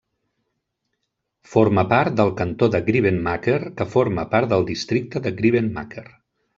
Forma part del Cantó de Grevenmacher, que forma part del districte de Grevenmacher.